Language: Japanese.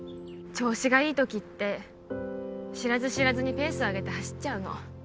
調子がいい時って知らず知らずにペースを上げて走っちゃうの